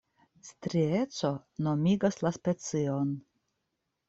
Strieco nomigas la specion.